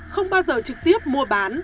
không bao giờ trực tiếp mua bán